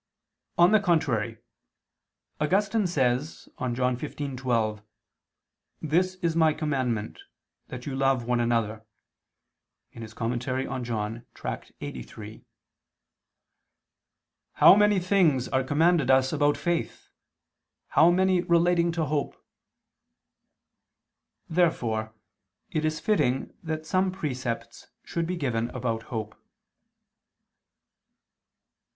On the contrary, Augustine says on John 15:12, "This is My commandment, that you love one another" (Tract. lxxxiii in Joan.): "How many things are commanded us about faith! How many relating to hope!" Therefore it is fitting that some precepts should be given about hope.